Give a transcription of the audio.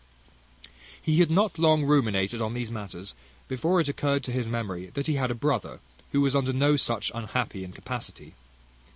He had not long ruminated on these matters, before it occurred to his memory that he had a brother who was under no such unhappy incapacity.